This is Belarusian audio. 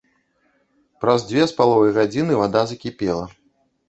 Праз два з паловай гадзіны вада закіпела.